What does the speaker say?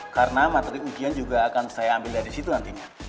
karena materi ujian juga akan saya ambil dari situ nantinya